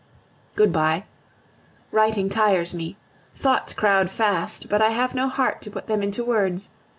Good bye. Writing tires me; thoughts crowd fast, but I have no heart to put them into words.